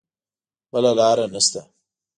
بله لاره نه شته.